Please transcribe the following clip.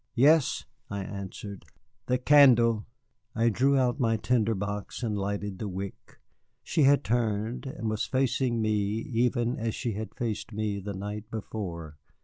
"Yes," I answered. "The candle!" I drew out my tinder box and lighted the wick. She had turned, and was facing me even as she had faced me the night before.